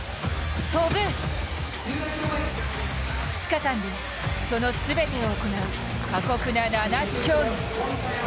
２日間でその全てを行う過酷な七種競技。